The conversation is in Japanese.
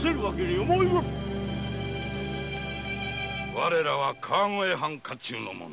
我らは川越藩家中の者。